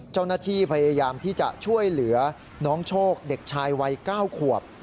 เจ้าหน้าที่พยายามที่จะช่วยเหลือน้องโชคเด็กชายวัย๙ขวบ